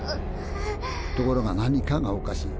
ところが何かがおかしい。